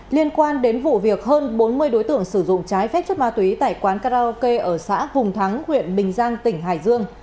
liên quan đến vụ việc hơn bốn mươi đối tượng sử dụng trái phép chất ma túy tại quán karaoke ở xã hùng thắng huyện bình giang tỉnh hải dương